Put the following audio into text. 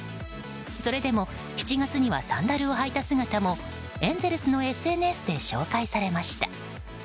それでも７月にはサンダルをはいた姿もエンゼルスのＳＮＳで紹介されました。